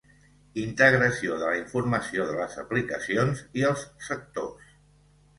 Integració de la informació, de les aplicacions i els sectors.